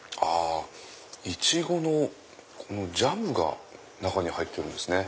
イチゴのジャムが中に入ってるんですね。